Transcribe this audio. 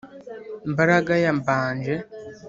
mbaraga ya mbanje